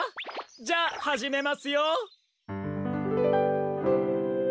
じゃあはじめますよ！